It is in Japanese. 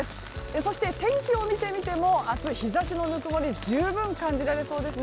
そして、天気を見てみても明日、日差しのぬくもり十分感じられそうですね。